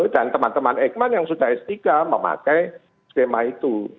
teman teman eijkman yang sudah s tiga memakai skema itu